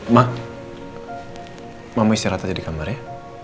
ma mama istirahat aja di kamar ya